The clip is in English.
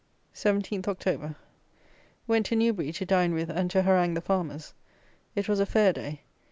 17 October. Went to Newbury to dine with and to harangue the farmers. It was a fair day.